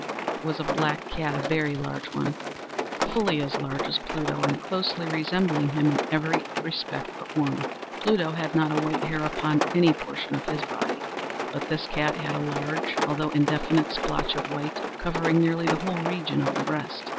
It was a black cat—a very large one—fully as large as Pluto, and closely resembling him in every respect but one. Pluto had not a white hair upon any portion of his body; but this cat had a large, although indefinite splotch of white, covering nearly the whole region of the breast.